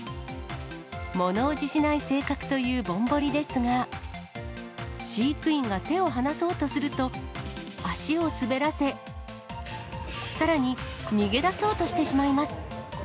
ものおじしない性格というぼんぼりですが、飼育員が手を離そうとすると、足を滑らせ、さらに、逃げ出そうとしてしまいます。